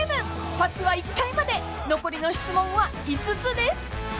［パスは１回まで残りの質問は５つです］